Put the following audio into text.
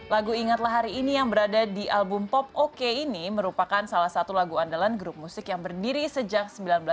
lagu ingatlah hari ini yang berada di album pop oke ini merupakan salah satu lagu andalan grup musik yang berdiri sejak seribu sembilan ratus sembilan puluh